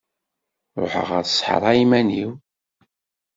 Ruḥeɣ ɣer ṣṣeḥra iman-iw.